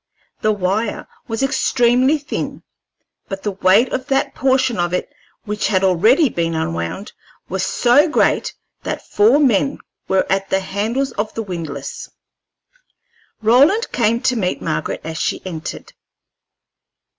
The wire was extremely thin, but the weight of that portion of it which had already been unwound was so great that four men were at the handles of the windlass. Roland came to meet Margaret as she entered.